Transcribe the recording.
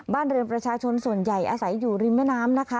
บ้านเรือนประชาชนส่วนใหญ่อาศัยอยู่ริมแม่น้ำนะคะ